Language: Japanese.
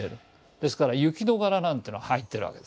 ですから雪の柄なんての入ってるわけですね。